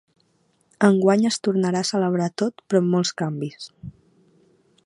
Enguany es tornarà a celebrar tot però amb molts canvis.